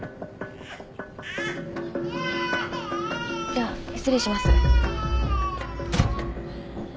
・じゃあ失礼します。